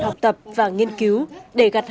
học tập và nghiên cứu để gặt